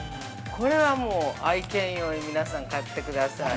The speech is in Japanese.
これはもう、愛犬用に、皆さん、買ってください。